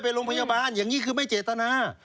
ไปโรงพยาบาลอย่างนี้คือไม่เจตนา